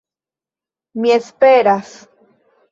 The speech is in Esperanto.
Mi esperas...